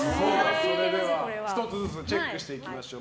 では、１つずつチェックしていきましょう。